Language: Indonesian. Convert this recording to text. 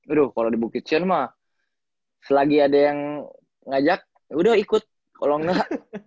aduh kalo di bukit sion mah selagi ada yang ngajak yaudah ikut kalo gak